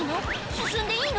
進んでいいの？